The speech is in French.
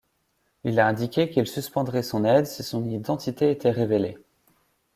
Il a indiqué qu'il suspendrait son aide si son identité était révélée.